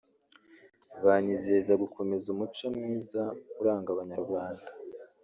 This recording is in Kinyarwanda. banyizeza gukomeza umuco mwiza uranga Abanyarwanda